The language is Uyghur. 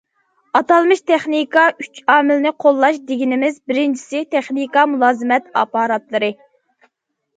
ئاتالمىش‹‹ تېخنىكا ئۈچ ئامىلنى قوللاش›› دېگىنىمىز بىرىنچىسى، تېخنىكا مۇلازىمەت ئاپپاراتلىرى.